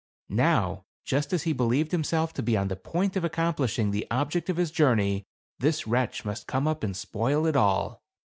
Now, just as he believed himself to be on the point of accomplishing the object of his journey, this wretch must come up and spoil it all.